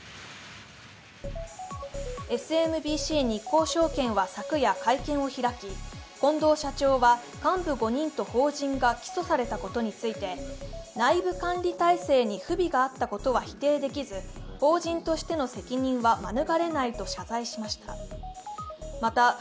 ＳＭＢＣ日興証券は昨夜、会見を開き、近藤社長は幹部５人と法人が起訴されたことについて、内部管理体制に不備があったことは否定できず法人としての責任は免れないと謝罪しました。